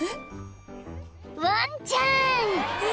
［ワンちゃん！］